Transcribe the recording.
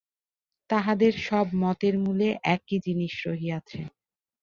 তাহাদের সব মতের মূলে একই জিনিষ রহিয়াছে।